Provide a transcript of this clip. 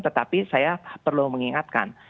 tetapi saya perlu mengingatkan